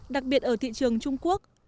đặc biệt ở thị trường trung quốc